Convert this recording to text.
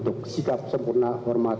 tiba di tempat acara